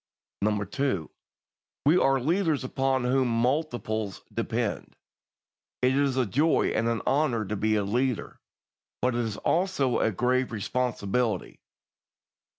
2. We are leaders upon whom multitudes depend. It is a joy and an honour to be a leader, but it is also a grave responsibility.